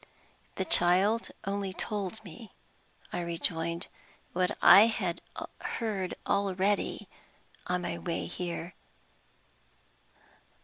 "The child only told me," I rejoined, "what I had heard already, on my way here."